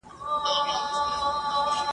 او که برعکس، !.